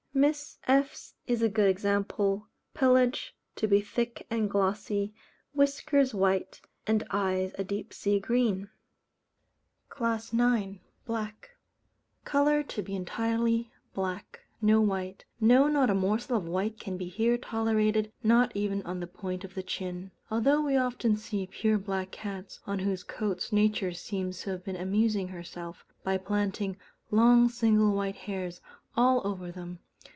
Miss F n's is a good example. Pelage to be thick and glossy, whiskers white, and eyes a deep sea green. CLASS IX. Black. Colour to be entirely black; no white. No, not a morsel of white can be here tolerated, not even on the point of the chin; although we often see pure black cats on whose coats Nature seems to have been amusing herself, by planting long single white hairs all over them.